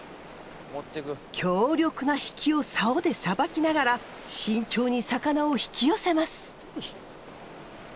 強力な引きを竿でさばきながら慎重に魚を引き寄せます。